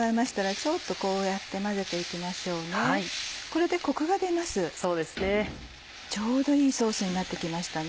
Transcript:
ちょうどいいソースになって来ましたね。